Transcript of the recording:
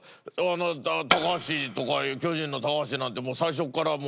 高橋とか巨人の高橋なんてもう最初からもう。